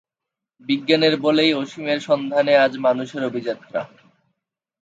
বিজ্ঞানের বলেই অসীমের সন্ধানে আজ মানুষের অভিযাত্রা।